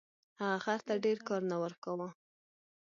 هغه خر ته ډیر کار نه ورکاوه.